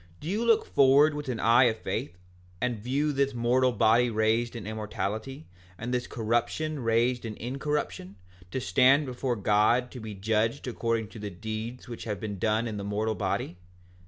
Do you look forward with an eye of faith, and view this mortal body raised in immortality, and this corruption raised in incorruption, to stand before God to be judged according to the deeds which have been done in the mortal body?